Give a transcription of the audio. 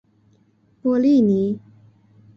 波利尼。